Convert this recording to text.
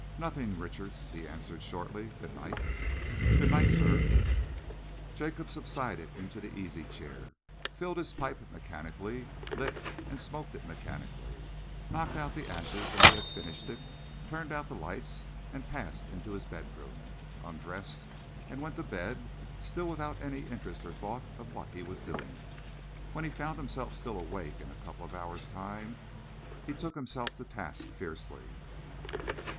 "Nothing, Richards," he answered shortly. "Good night!" "Good night, sir!" Jacob subsided into the easy chair, filled his pipe mechanically, lit and smoked it mechanically, knocked out the ashes when he had finished it, turned out the lights and passed into his bedroom, undressed and went to bed, still without any interest or thought for what he was doing. When he found himself still awake in a couple of hours' time, he took himself to task fiercely.